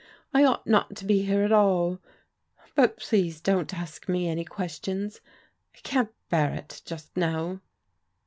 I ought not to be here at all. But please don't ask me any questions; I can't bear it just now."